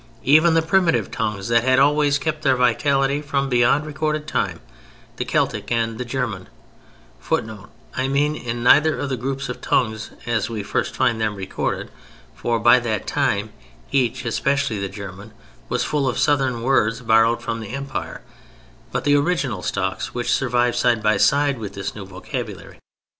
Even the primitive tongues that had always kept their vitality from beyond recorded time, the Celtic and the German [Footnote: I mean, in neither of the groups of tongues as we first find them recorded, for by that time each—especially the German—was full of Southern words borrowed from the Empire; but the original stocks which survived side by side with this new vocabulary.